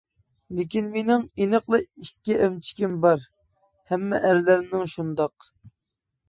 لېكىن مېنىڭ ئېنىقلا ئىككى ئەمچىكىم بار-ھەممە ئەرلەرنىڭ شۇنداق.